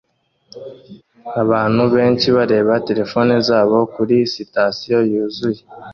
Abantu benshi bareba terefone zabo kuri sitasiyo yuzuye